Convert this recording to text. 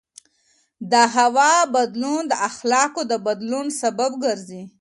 د هوا بدلون د اخلاقو د بدلون سبب ګرځي.